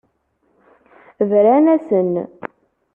Bran-asen.